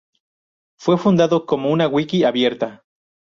Fue fundado como una wiki abierta.